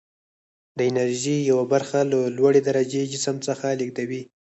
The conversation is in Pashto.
د انرژي یوه برخه له لوړې درجې جسم څخه لیږدوي.